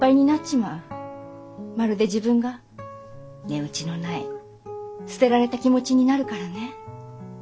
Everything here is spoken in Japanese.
まるで自分が値打ちのない捨てられた気持ちになるからね。